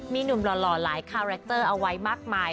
มีหนุ่มหล่อหลายคาแรคเตอร์เอาไว้มากมาย